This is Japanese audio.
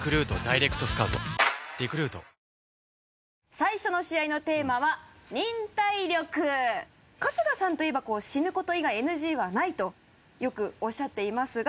最初の試合のテーマは「忍耐力」春日さんといえば死ぬこと以外ＮＧはないとよくおっしゃっていますが。